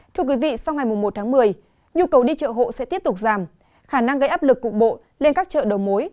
thưa quý vị sau ngày một tháng một mươi nhu cầu đi chợ hộ sẽ tiếp tục giảm khả năng gây áp lực cục bộ lên các chợ đầu mối